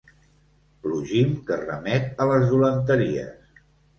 Plugim que remet a les dolenteries.